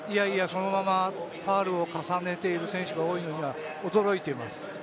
そのままファウルを重ねている選手が多いのには驚いています。